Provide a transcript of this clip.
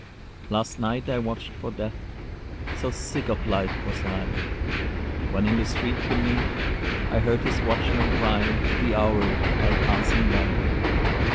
Last night I watched for Death So sick of life was I! When in the street beneath I heard his watchman cry The hour, while passing by.